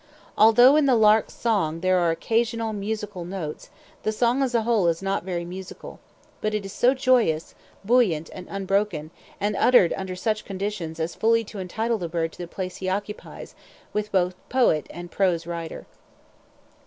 Although in the lark's song there are occasional musical notes, the song as a whole is not very musical; but it is so joyous, buoyant and unbroken, and uttered under such conditions as fully to entitle the bird to the place he occupies with both poet and prose writer.